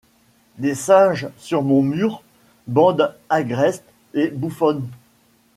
Des singes sur mon mur, bande agreste et bouffonne